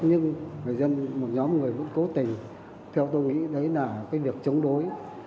nhưng một nhóm người vẫn cố tình theo tôi nghĩ đấy là cái việc chống đối